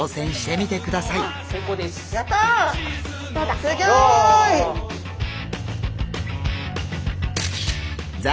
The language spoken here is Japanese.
すギョい！